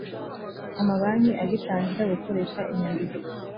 amabanki agitangira gukoresha inyandiko